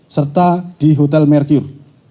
serta di hotel merkur